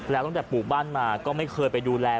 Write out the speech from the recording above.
แล้วตั้งแต่ปลูกบ้านมาก็ไม่เคยไปดูแล